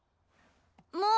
もう！